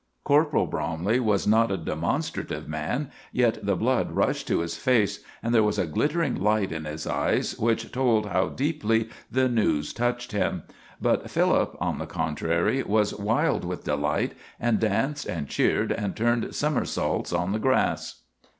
'" Corporal Bromley was not a demonstrative man, yet the blood rushed to his face, and there was a glittering light in his eyes which told how deeply the news touched him; but Philip, on the contrary, was wild with delight, and danced and cheered and turned somersaults on the grass.